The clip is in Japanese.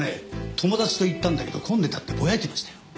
「友達と行ったんだけど混んでた」ってぼやいてましたよ。